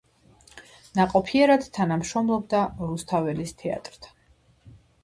ნაყოფიერად თანამშრომლობდა რუსთაველის თეატრთან.